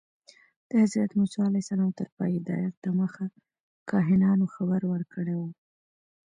د حضرت موسی علیه السلام تر پیدایښت دمخه کاهنانو خبر ورکړی و.